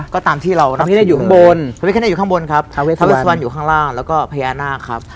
ก็ตามที่เราพระพิคเนตอยู่ข้างบนครับทาเวสวรรค์อยู่ข้างล่างแล้วก็พญานคาราครับ